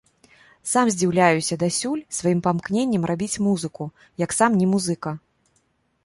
Сам здзіўляюся дасюль сваім памкненням рабіць музыку, як сам не музыка.